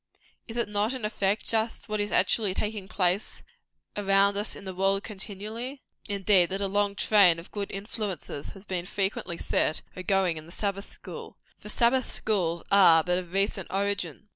Is it not, in effect, just what is actually taking place around us in the world continually? Not, indeed, that a long train of good influences has been frequently set agoing in the Sabbath school for Sabbath schools are but of recent origin.